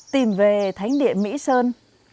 tìm về thánh địa mỹ sơn